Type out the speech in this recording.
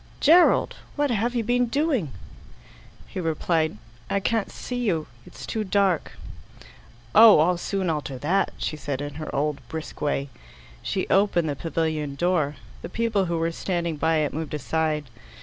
"Gerald, what have you been doing?" He replied, "I can't see you. It's too dark." "Oh, I'll soon alter that," she said in her old brisk way. She opened the pavilion door. The people who were standing by it moved aside.